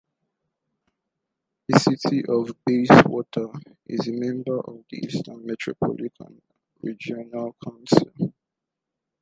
The City of Bayswater is a member of the Eastern Metropolitan Regional Council.